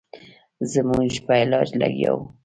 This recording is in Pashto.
زخمونو په علاج لګیا وو.